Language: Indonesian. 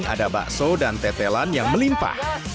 ada bakso dan tetelan yang melimpah